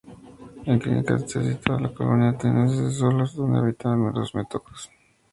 En Cilicia se situaba la colonia ateniense de Solos, donde habitaban numerosos metecos.